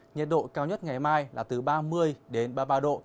nhiệt độ cao nhất ngày mai là từ ba mươi đến ba mươi ba độ